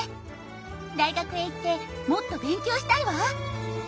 大学へ行ってもっと勉強したいわ。